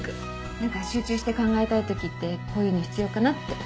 何か集中して考えたいときってこういうの必要かなって。